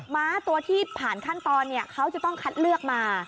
ม้าตัวที่ผ่านขั้นตอนเขาจะต้องคัดเลือกมา